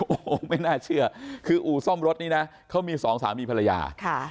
โอ้โหไม่น่าเชื่อคืออู่ซ่อมรถนี้นะเขามีสองสามีภรรยา